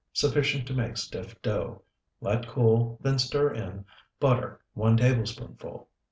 sufficient to make stiff dough; let cool, then stir in Butter, 1 tablespoonful.